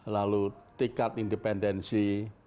lalu tingkat independensi